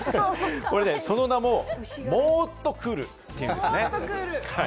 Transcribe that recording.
その名も、モーっとクールというんですね。